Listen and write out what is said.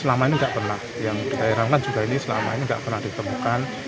selama ini tidak pernah yang kita herankan juga ini selama ini tidak pernah ditemukan